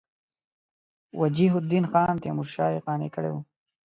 وجیه الدین خان تیمورشاه یې قانع کړی وو.